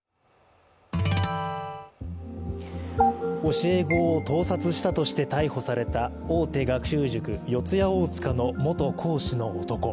教え子を盗撮したとして対応された大手学習塾、四谷大塚の元講師の男。